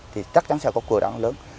thì chắc chắn sẽ có cuộc đàn áp lớn